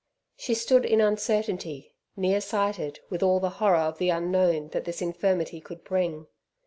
She stood in uncertainty, near sighted, with all the horror of the unknown that this infirmity could bring.